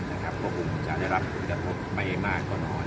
พวกปุกถุงจะได้รับคุณทคบใหม่มากกว่านอน